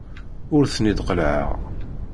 Ur ten-id-qellɛeɣ.